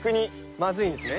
まずいんですね。